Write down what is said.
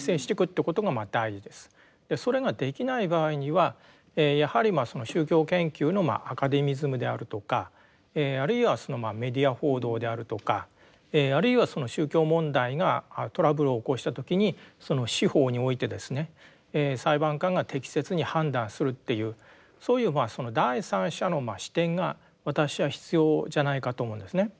それができない場合にはやはりその宗教研究のアカデミズムであるとかあるいはメディア報道であるとかあるいはその宗教問題がトラブルを起こした時にその司法においてですね裁判官が適切に判断するっていうそういう第三者の視点が私は必要じゃないかと思うんですね。